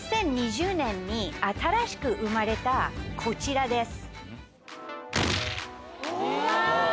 ２０２０年に新しく生まれたこちらです。